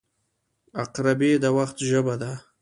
• عقربې د وخت ژبه ده.